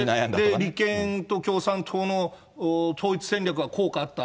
立憲と共産党の統一戦略が効果あった？